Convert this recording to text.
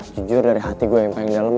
jujur dari hati gue yang paling dalam